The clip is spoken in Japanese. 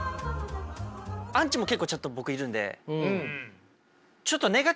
アンチも結構ちょっと僕いるんで。